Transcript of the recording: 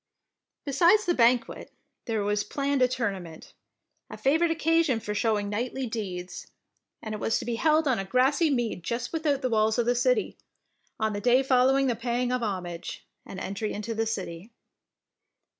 Besides the banquet, there was planned a tournament, a favourite oc casion for showing knightly deeds, and it was to be held on a grassy mead just without the walls of the city, on the day following the paying of homage, and entry into the city.